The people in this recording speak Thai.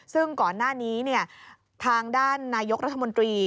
ซึ่งก่อนหน้านี้ทางด้านนายกรัฐมนตรี